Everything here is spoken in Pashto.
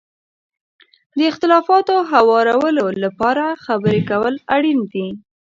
د اختلافاتو هوارولو لپاره خبرې کول اړین دي.